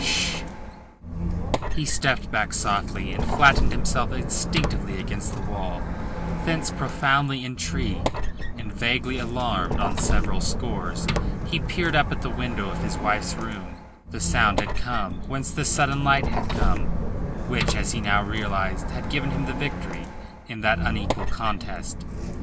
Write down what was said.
'Sh!" He stepped back softly, and flattened himself instinctively against the wall; thence profoundly intrigued and vaguely alarmed on several scores he peered up at the windows of his wife's room whence the sound had come, whence the sudden light had come which as he now realised had given him the victory in that unequal contest.